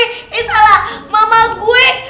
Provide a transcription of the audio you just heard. ini salah mama gue